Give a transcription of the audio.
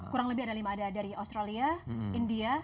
kurang lebih ada lima ada dari australia india